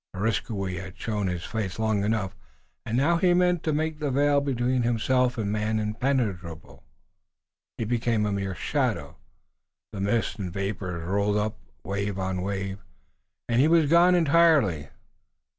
Areskoui had shown his face long enough and now he meant to make the veil between himself and man impenetrable. He became a mere shadow, the mists and vapors rolled up wave on wave, and he was gone entirely.